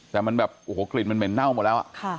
แต่มันแบบคลิญมันเหม่นน่าวหมดแล้ว